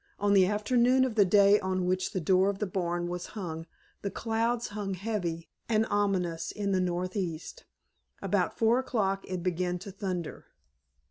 On the afternoon of the day on which the door of the barn was hung the clouds hung heavy and ominous in the northeast. About four o'clock it began to thunder.